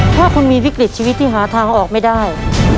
ถ้าคุณมีวิกฤตชีวิตที่หาทางออกไม่ได้